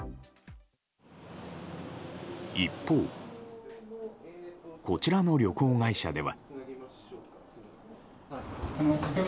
一方、こちらの旅行会社では。